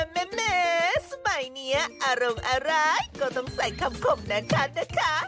แม้สมัยนี้อารมณ์อะไรก็ต้องใส่คำคมนะคะ